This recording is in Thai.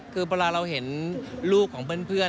คือเวลาเราเห็นลูกของเพื่อน